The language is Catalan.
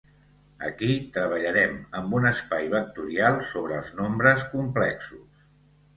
Aquí treballarem amb un espai vectorial sobre els nombres complexos.